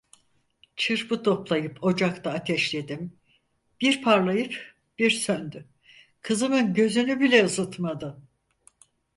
Çırpı toplayıp ocakta ateşledim, bir parlayıp bir söndü, kızımın gözünü bile ısıtmadı.